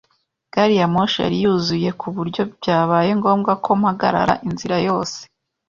Gari ya moshi yari yuzuye ku buryo byabaye ngombwa ko mpagarara inzira yose.